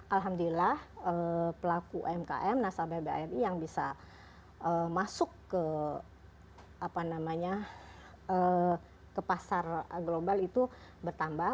alhamdulillah pelaku umkm nasabah bri yang bisa masuk ke pasar global itu bertambah